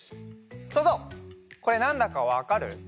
そうぞうこれなんだかわかる？